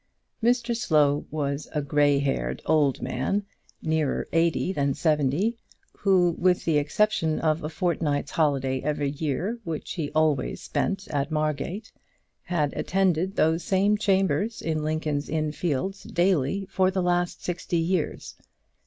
Mr Slow was a grey haired old man, nearer eighty than seventy, who, with the exception of a fortnight's holiday every year which he always spent at Margate, had attended those same chambers in Lincoln's Inn Fields daily for the last sixty years.